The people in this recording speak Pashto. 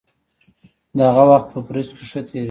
د هغه وخت په برج کې ښه تېرېده.